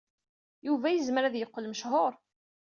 Yuba yezmer ad yeqqel mechuṛ.